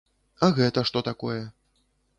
А гэта што такое?